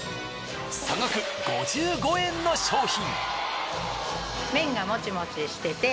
差額５５円の商品。